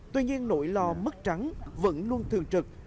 tuy nhiên nỗi lo mất trắng vẫn luôn thường trực